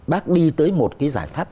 bác đi tới một cái giải pháp